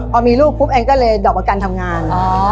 พอมีลูกแองก็เลยดอกมากันทำงาน